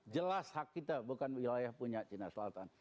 jelas hak kita bukan wilayah punya cina selatan